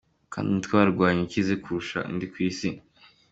Kandi ni umutwe w’abarwanyi ukize kurusha indi yose ku isi.